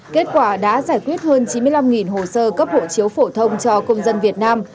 kết quả đã giải quyết hơn chín mươi năm hồ sơ cấp hộ chiếu phổ thông cho công dân việt nam